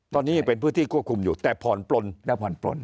ตอนนี้เป็นพื้นที่ควบคุมอยู่แต่ผ่อนปล้น